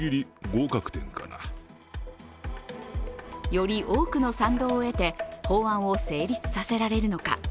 より多くの賛同を得て、法案を成立させられるのか。